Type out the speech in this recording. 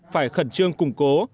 phải khẩn trương củng cố